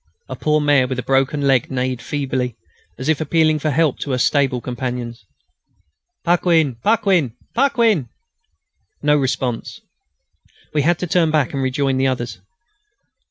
A poor mare with a broken leg neighed feebly, as if appealing for help to her stable companions. "Paquin!... Paquin!... Paquin!..." No response. We had to turn back and rejoin the others.